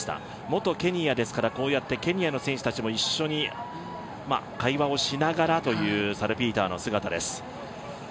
元ケニアですからケニアの選手たちも一緒に会話をしながらというサルピーターの姿です。